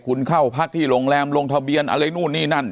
คุณเข้าพักที่โรงแรมลงทะเบียนอะไรนู่นนี่นั่น